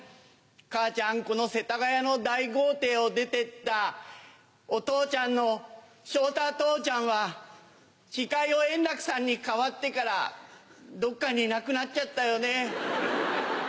母ちゃんこの世田谷の大豪邸を出てったお父ちゃんの昇太父ちゃんは司会を円楽さんに代わってからどっかにいなくなっちゃったよね。